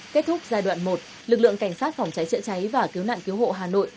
kết thúc giai đoạn một lực lượng cảnh sát phòng cháy chữa cháy và cứu nạn cứu hộ hà nội